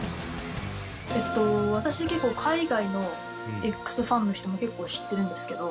私結構海外のＸファンの人も結構知ってるんですけど。